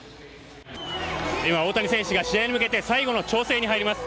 今、大谷選手が試合に向けて最後の調整に入ります。